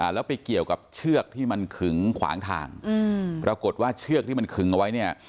แล้วไปเกี่ยวกับเชือกที่มันขึงขวางทางปรากฏว่าเชือกที่มันขึงเอาไว้เนี่ย